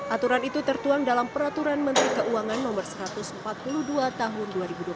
aturan itu tertuang dalam peraturan menteri keuangan no satu ratus empat puluh dua tahun dua ribu dua puluh